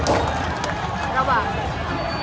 สวัสดีครับทุกคน